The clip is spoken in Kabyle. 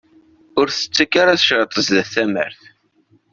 Ur tettekk ara tecreṭ zdat tamart.